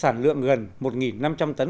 sản lượng gần một năm trăm linh tấn